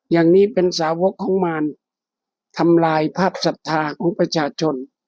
อย่างนี้เป็นสาวกของมารทำลายภาพศรัทธาของประชาชน